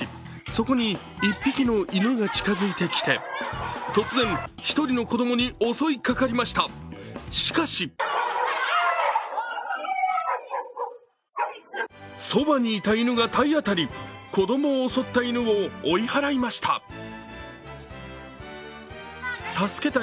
そこに１匹の犬が近づいてきて突然、１人の子供に襲いかかりました、しかし側にいた犬が体当たり、子供を襲った犬を追い払いました。